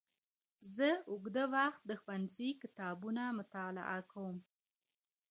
زه اوږده وخت د ښوونځي کتابونه مطالعه کوم..